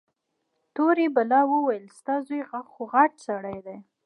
تورې بلا وويل ستا زوى خوغټ سړى دى.